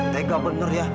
tegak bener ya